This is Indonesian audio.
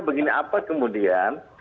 begini apa kemudian